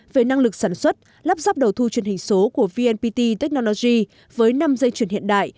về năng lực sản xuất lắp ráp đầu thu truyền hình số của vnpt technology với năm dây chuyển hiện đại